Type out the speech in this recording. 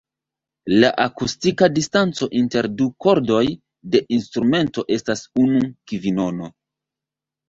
La akustika distanco inter du kordoj de instrumento estas unu kvinono.